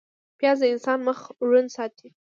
پیاز د انسان مخ روڼ ساتي